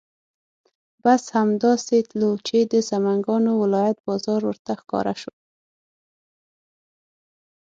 بس همدا سې تلو چې د سمنګانو ولایت بازار ورته ښکاره شو.